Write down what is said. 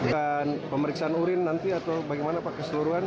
dan pemeriksaan urin nanti atau bagaimana keseluruhan